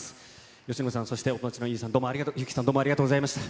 義信さん、そしてお友達の祐希さん、どうもありがとうございました。